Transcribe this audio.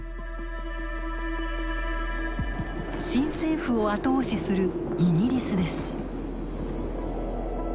新政府を後押しするイギリスです。